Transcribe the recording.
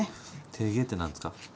てーげーって何ですか？